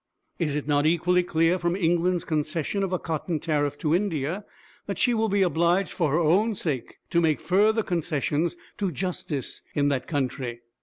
Is it not equally clear from England's concession of a cotton tariff to India that she will be obliged for her own sake to make further concessions to justice in that country?